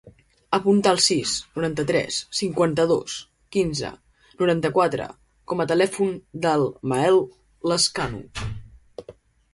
Apunta el sis, noranta-tres, cinquanta-dos, quinze, noranta-quatre com a telèfon del Mael Lezcano.